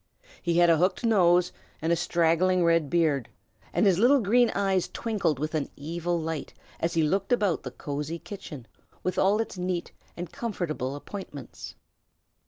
He had a hooked nose and a straggling red beard, and his little green eyes twinkled with an evil light as he looked about the cosey kitchen, with all its neat and comfortable appointments.